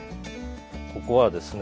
ここはですね